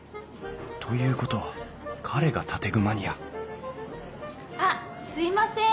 という事は彼が建具マニア・あっすいません！